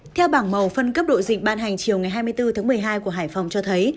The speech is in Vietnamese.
theo bảng màu phân cấp độ dịch ban hành chiều ngày hai mươi bốn tháng một mươi hai của hải phòng cho thấy